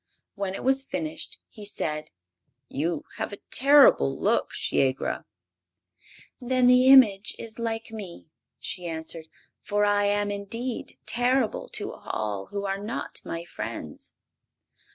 When it was finished he said: "You have a terrible look, Shiegra." "Then the image is like me," she answered; "for I am indeed terrible to all who are not my friends."